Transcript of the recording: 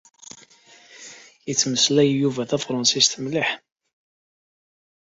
Yettmeslay Yuba tafṛansist mliḥ.